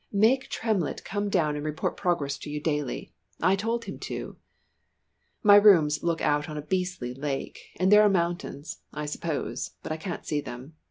Make Tremlett come down and report progress to you daily I told him to. My rooms look out on a beastly lake, and there are mountains, I suppose, but I can't see them.